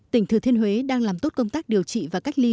tỉnh thừa thiên huế đang làm tốt công tác điều trị và cách ly